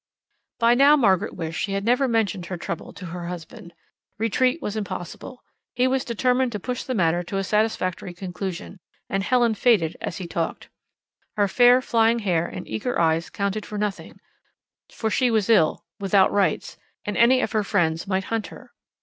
By now Margaret wished she had never mentioned her trouble to her husband. Retreat was impossible. He was determined to push the matter to a satisfactory conclusion, and Helen faded as he talked. Her fair, flying hair and eager eyes counted for nothing, for she was ill, without rights, and any of her friends might hunt her.